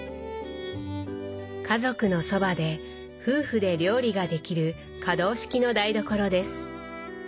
家族のそばで夫婦で料理ができる可動式の台所です。